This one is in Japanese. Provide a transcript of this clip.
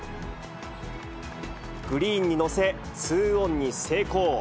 グリーンに乗せ、ツーオンに成功。